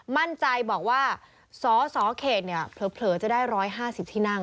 มั่นใจบอกว่าสสเขตเนี่ยเผลอจะได้๑๕๐ที่นั่ง